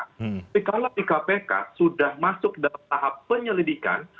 tapi kalau di kpk sudah masuk dalam tahap penyelidikan